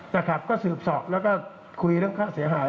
นะครับก็สืบสอบแล้วก็คุยเรื่องค่าเสียหาย